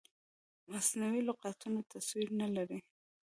مصنوعي لغتونه تصویر نه لري.